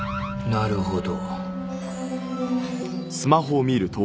なるほど。